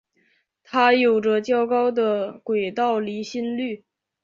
它有着较高的轨道离心率。